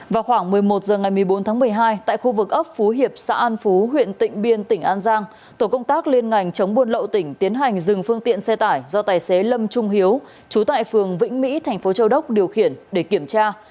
vào khoảng một mươi một h ngày một mươi bốn tháng một mươi hai tại khu vực ấp phú hiệp xã an phú huyện tịnh biên tỉnh an giang tổ công tác liên ngành chống buôn lậu tỉnh tiến hành dừng phương tiện xe tải do tài xế lâm trung hiếu trú tại phường vĩnh mỹ thành phố châu đốc điều khiển để kiểm tra